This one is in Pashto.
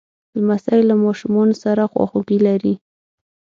لمسی له ماشومانو سره خواخوږي لري.